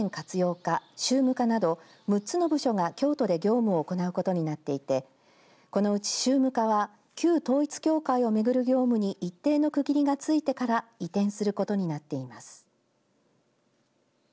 課宗務課など６つの部署が京都で業務を行うことになっていてこのうち宗務課は旧統一教会を巡る業務に一定の区切りがついてから移転することになっています。